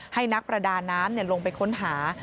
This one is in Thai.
นักประดาน้ำลงไปค้นหา